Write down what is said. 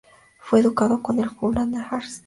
Fue educado en el Hull and East Riding College.